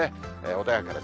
穏やかです。